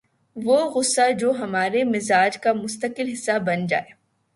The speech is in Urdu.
وہ غصہ جو ہمارے مزاج کا مستقل حصہ بن جائے